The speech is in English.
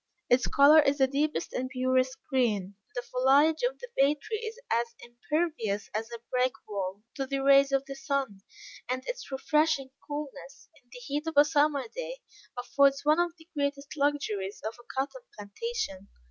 Its color is the deepest and purest green. The foliage of the Bay tree is as impervious as a brick wall to the rays of the sun, and its refreshing coolness, in the heat of a summer day, affords one of the greatest luxuries of a cotton plantation.